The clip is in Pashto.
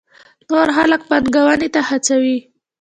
نور خلک پانګونې ته هڅوي.